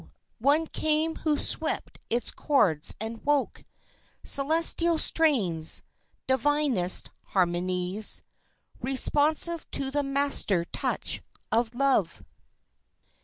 one came who swept its chords and woke Celestial strains, divinest harmonies, Responsive to the master touch of Love.